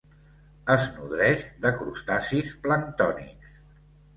Es nodreix de crustacis planctònics.